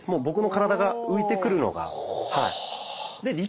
僕の体が浮いてくるのがはい。